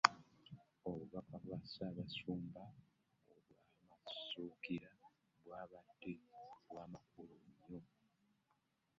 Obubaka bwa ssaabasumba obw'amazuukira bwabadde bwa makulu nnyo.